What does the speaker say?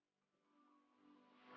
gak ke inisiasi